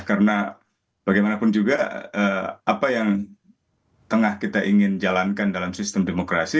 karena bagaimanapun juga apa yang tengah kita ingin jalankan dalam sistem demokrasi